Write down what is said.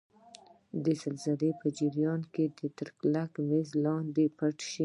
د زلزلې په جریان کې تر کلک میز لاندې پټ شئ.